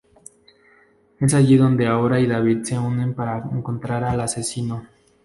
Es allí donde Aura y David se unen para encontrar al asesino.